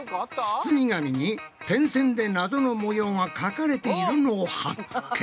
包み紙に点線でナゾの模様が描かれているのを発見！